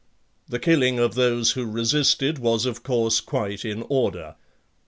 The killing of those who resisted was of course quite in order.